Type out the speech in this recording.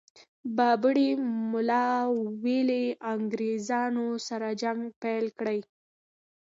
بابړي ملا ویلي انګرېزانو سره جنګ پيل کړي.